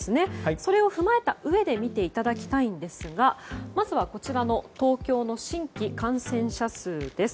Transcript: それを踏まえたうえで見ていただきたいんですがまずはこちらの東京の新規感染者数です。